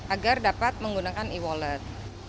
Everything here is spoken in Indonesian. agar dapat menggunakan e wallet